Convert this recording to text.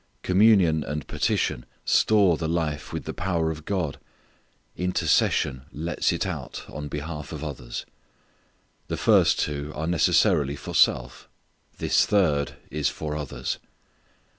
Communion and petition store the life with the power of God; intercession lets it out on behalf of others. The first two are necessarily for self; this third is for others.